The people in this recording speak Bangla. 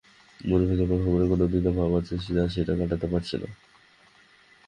মনের ভেতর বড় রকমের কোনো দ্বিধার ভাব আছে, যা সে কাটাতে পারছে না।